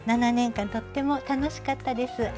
７年間とっても楽しかったです。